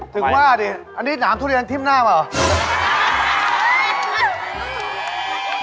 ถึงว่าดิอันนี้หนามทุเรียนทิ้มหน้าเปล่า